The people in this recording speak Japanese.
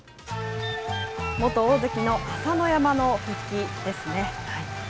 元大関の朝乃山の復帰ですね。